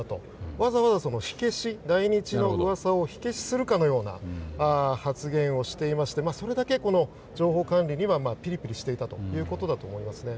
わざわざ来日のうわさを火消しするかのような発言をしていましてそれだけ、情報管理にはピリピリしていたということだと思います。